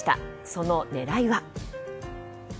その狙いは？